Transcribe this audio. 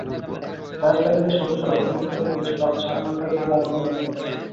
Fire সার্ভিসের সদস্যরা ঘটনাস্থলে পৌঁছে রাত সাড়ে নয়টার দিকে আগুন নিয়ন্ত্রণে আনে।